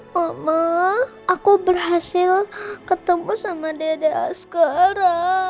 mama aku berhasil ketemu sama dede askara